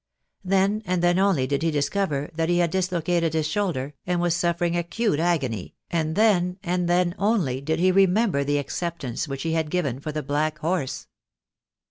Then and then only did he discover that he had dis located his shoulder, and was suffering acute agony, and then and then only did he remember the acceptance which he had given for the black horse.